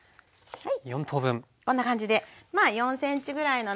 はい。